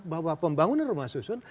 bahwa pembangunan rumah susun